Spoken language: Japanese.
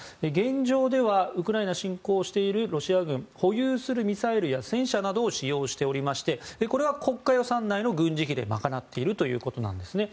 現状ではウクライナ侵攻をしているロシア軍保有するミサイルや戦車などを使用しておりましてこれは国家予算内の軍事費でまかなっているということです。